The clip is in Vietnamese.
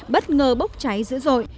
bất ngờ bốc cháy dữ dội